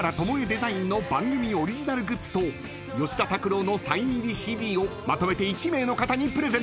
デザインの番組オリジナルグッズと吉田拓郎のサイン入りＣＤをまとめて１名の方にプレゼント］